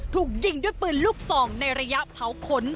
ถูกยิงด้วยปืนลูกซองในระยะเผาขน